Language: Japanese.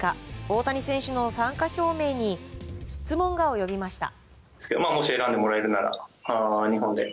大谷選手の参加表明に質問が及びました。